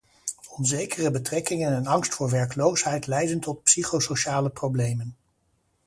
Onzekere betrekkingen en angst voor werkloosheid leiden tot psychosociale problemen.